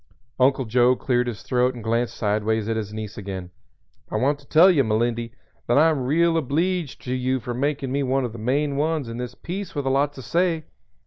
Uncle Joe cleared his throat and glanced sideways at his niece again. "I want to tell you, Melindy, that I am real obleeged to you for makin' me one of the main ones in the piece with a lot to say.